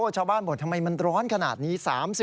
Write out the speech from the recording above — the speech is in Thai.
ชาวบ้านบอกทำไมมันร้อนขนาดนี้